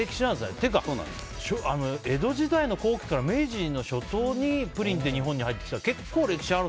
っていうか、江戸時代の後期から明治の初頭にプリンって日本に入ってきたと。